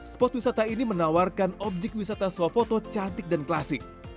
spot wisata ini menawarkan objek wisata swafoto cantik dan klasik